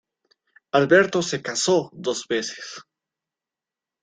Alberto se casó dos veces.